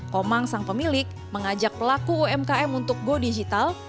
komang sang pemilik mengajak pelaku umkm untuk go digital